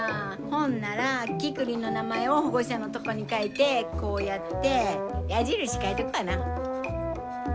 ほんならキクリンの名前を保護者のとこに書いてこうやって矢印書いとくわな。